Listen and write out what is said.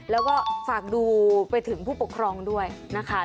แล้วก็ฝากดูไปถึงผู้ปกครองด้วยนะคะ